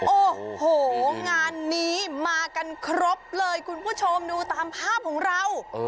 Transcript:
โอ้โหงานนี้มากันครบเลยคุณผู้ชมดูตามภาพของเรา